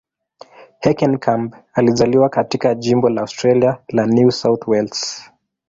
Heckenkamp alizaliwa katika jimbo la Australia la New South Wales.